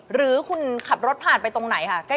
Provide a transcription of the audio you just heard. หรือคุณขับรถผ่านไปตรงไหนค่ะ